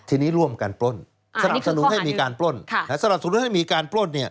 ทีนี้ร่วมการปล้นสำหรับสนุนให้มีการปล้น